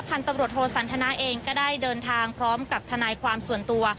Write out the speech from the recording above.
ตำรวจโทสันทนาเองก็ได้เดินทางพร้อมกับทนายความส่วนตัว